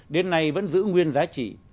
đến nay vẫn giữ nguyên giá trị